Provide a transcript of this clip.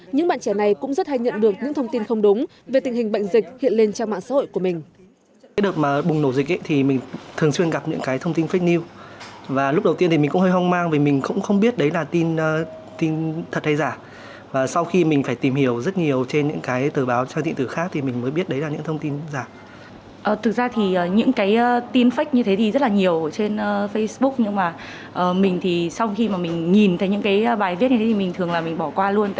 những bạn trẻ này cũng rất hay nhận được những thông tin không đúng về tình hình bệnh dịch hiện lên trang mạng xã hội của mình